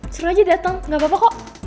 seru aja datang gak apa apa kok